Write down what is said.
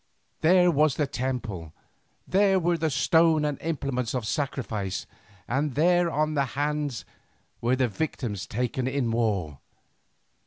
There was the temple, there were the stone and implements of sacrifice, and there to their hands were the victims taken in war.